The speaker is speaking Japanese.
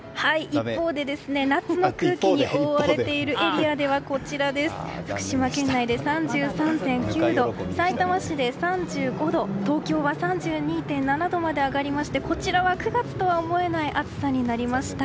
一方で夏の空気に覆われているエリアでは福島県内で３３．９度さいたま市で３５度、東京は３２．７度まで上がりましてこちらは９月とは思えない暑さとなりました。